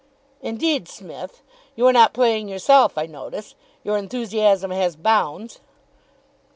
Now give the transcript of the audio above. "Indeed, Smith? You are not playing yourself, I notice. Your enthusiasm has bounds."